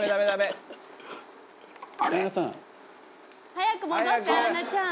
「早く戻って綾菜ちゃん！」